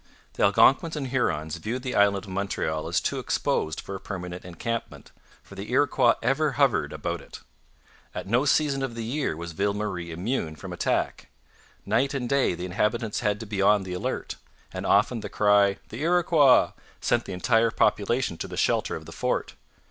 The Algonquins and Hurons viewed the island of Montreal as too exposed for a permanent encampment, for the Iroquois ever hovered about it. At no season of the year was Ville Marie immune from attack; night and day the inhabitants had to be on the alert; and often the cry 'The Iroquois!' sent the entire population to the shelter of the fort.